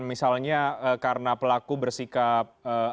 misalnya karena pelaku bersikap